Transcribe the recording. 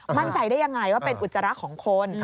มั่นใจได้ยังไงว่าเป็นอุจจาระของคน